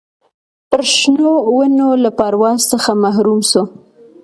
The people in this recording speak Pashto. پر شنو ونو له پرواز څخه محروم سو